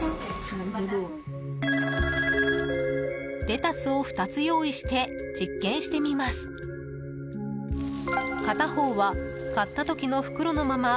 レタスを２つ用意して実験してみます。